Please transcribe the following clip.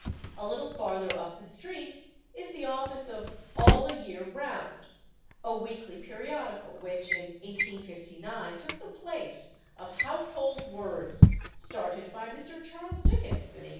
A little farther up the street is the office of All the Year Round, a weekly periodical which, in 1859, took the place of Household Words, started by Mr. Charles Dickens in 1850.